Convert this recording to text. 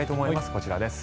こちらです。